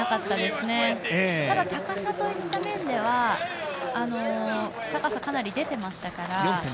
ただ、高さといった面ではかなり出ていましたから。